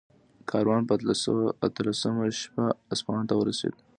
کاروان په اتلسمه شپه اصفهان ته ورسېد.